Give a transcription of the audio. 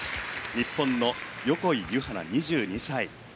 日本の横井ゆは菜、２２歳。